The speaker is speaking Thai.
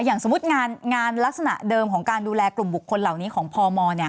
อย่างสมมุติงานลักษณะเดิมของการดูแลกลุ่มบุคคลเหล่านี้ของพม